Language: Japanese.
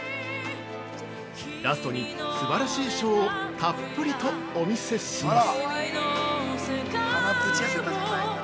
ラストに素晴らしいショーをたっぷりとお見せします！